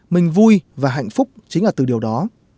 mình vui và hạnh phúc chính là từ điều đó